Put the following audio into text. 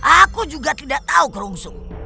aku juga tidak tahu kerungsung